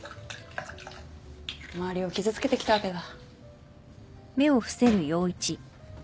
周りを傷つけてきたわけだ。